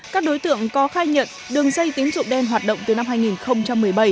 các đối tượng có khai nhận đường dây tín dụng đen hoạt động từ năm hai nghìn một mươi bảy